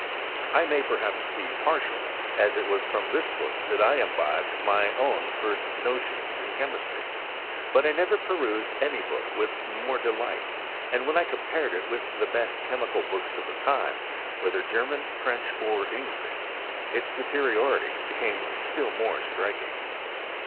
I may, peihaps, be partial, as it was fiom this book that I imbibed my own first notions in chemistry, but I never perused any book with more delight, and when I compared it with the best chemical books of the time, whether German, Eeench, or English, its superiority became still more striking.